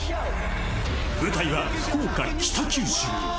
舞台は福岡・北九州。